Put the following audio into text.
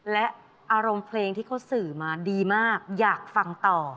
และอารมณ์เพลงที่เขาสื่อมาดีมากอยากฟังต่อ